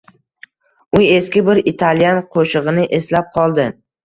U eski bir italyan qoʻshigʻini eslab qoldi.